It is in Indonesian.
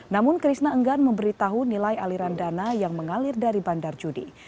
namun krishna enggan memberitahu nilai aliran dana yang mengalir dari bandar judi